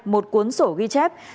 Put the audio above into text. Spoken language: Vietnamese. một cuốn sổ ghi chép